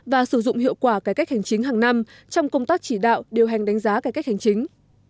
và sử dụng hiệu quả cải cách hành chính hàng năm trong công tác chỉ đạo điều hành đánh giá cải cách hành chính